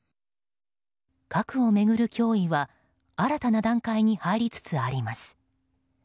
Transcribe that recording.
核を巡る脅威は新たな段階に入りつつあります。